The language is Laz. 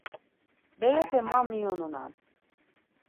Berepe ma miyonunan.